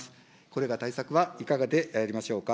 これら対策はいかがでありましょうか。